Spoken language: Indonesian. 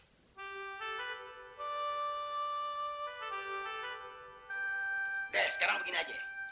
udah sekarang begini aja